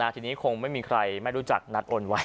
ทีนี้คงไม่มีใครไม่รู้จักนัดโอนไว้